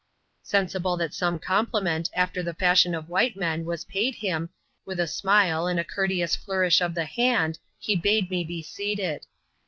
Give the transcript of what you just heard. Sensible that some compliment, after the fashion of white men, was paid him, with a smile, and a courteous flourish of the hand, he bade me be seated.